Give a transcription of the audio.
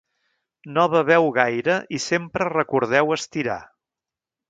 No beveu gaire i sempre recordeu estirar.